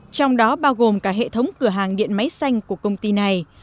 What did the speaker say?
trong đó bao gồm cả hệ thống cửa hàng điện máy xanh của công ty này